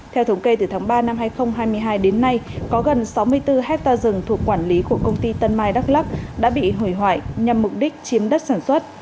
theo thống kê từ tháng ba năm hai nghìn hai mươi hai đến nay có gần sáu mươi bốn hectare rừng thuộc quản lý của công ty tân mai đắk lắc đã bị hủy hoại nhằm mục đích chiếm đất sản xuất